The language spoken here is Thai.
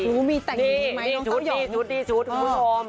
นี่นี่ชุดทุกผู้ชม